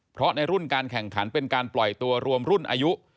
เพราะในรุ่นการแข่งขันเป็นการปล่อยตัวรวมรุ่นอายุ